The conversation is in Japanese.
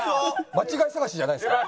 間違い探しじゃないんですか？